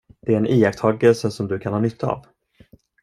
Det är en iakttagelse som du kan ha nytta av.